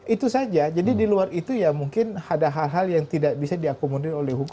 itu saja jadi di luar itu ya mungkin ada hal hal yang tidak bisa diakomodir oleh hukum